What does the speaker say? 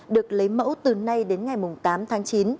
được lấy mẫu từ nay đến ngày tám tháng chín